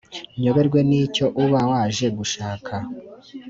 nyoberwe n’icyo uba waje gushaka